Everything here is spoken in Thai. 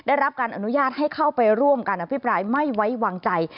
ได้รับการอนุญาตให้เข้าไปร่วมการอภิปรายไม่ไว้วางใจ